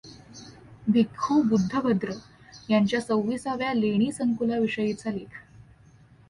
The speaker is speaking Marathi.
भिख्खू बुद्धभद्र यांच्या सव्वीसाव्या लेणीसंकुलाविषयीचा लेख.